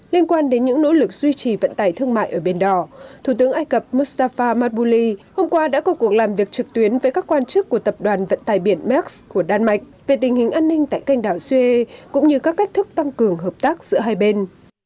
liên quan đến những nỗ lực duy trì vận tải thương mại ở biển đỏ thủ tướng ai cập mustafa mabouli hôm qua đã có cuộc làm việc trực tuyến với các quan chức của tập đoàn vận tải biển mekes của đan mạch về tình hình an ninh tại cành đảo suez cũng như các cách thức tăng cường hợp tác giữa hai bên